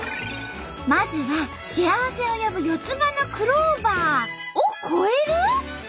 まずは幸せを呼ぶ四つ葉のクローバーを超える！？